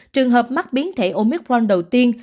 trường hợp mắc biến thể omicron đầu tiên